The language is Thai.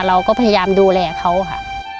เราก็พยายามดูแลเขาค่ะ